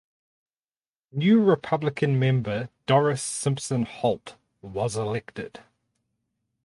New Republican member Doris Simpson Holt was elected.